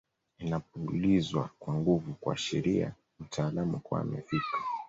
Inapulizwa kwa nguvu kuashiria mtaalamu kuwa amefika